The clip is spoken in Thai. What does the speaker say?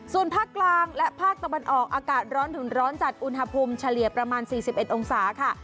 ส่วนภาคกลางและภาคตะวันออกอากาศร้อนถึงร้อนจัดอุณหภูมิเฉลี่ยประมาณ๔๑องศาค่ะ